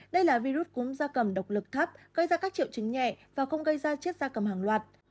đây là virus cúm da cầm độc lực thấp gây ra các triệu chứng nhẹ và không gây ra chết da cầm hàng loạt